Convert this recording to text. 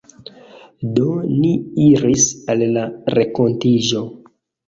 Do, ni iris al la renkontiĝo.